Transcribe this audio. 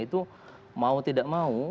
itu mau tidak mau